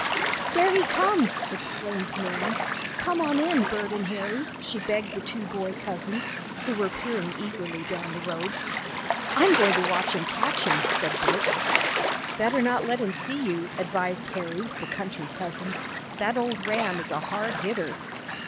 "There he comes!" exclaimed Nan. "Come on in, Bert and Harry," she begged the two boy cousins, who were peering eagerly down the road. "I'm going to watch 'em catch him," said Bert. "Better not let him see you," advised Harry, the country cousin. "That old ram is a hard hitter."